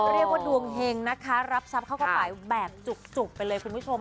เรียกว่าดวงเฮงนะคะรับทรัพย์เข้ากระเป๋าแบบจุกไปเลยคุณผู้ชม